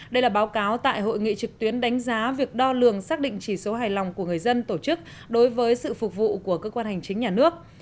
đây là báo cáo tại hội nghị trực tuyến đánh giá việc đo lường xác định chỉ số hài lòng của người dân tổ chức đối với sự phục vụ của cơ quan hành chính nhà nước